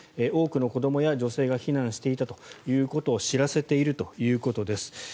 多くの子どもや女性が避難していたということを知らせているということです。